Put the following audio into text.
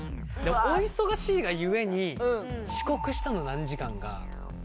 お忙しいがゆえに「遅刻したの何時間？」が。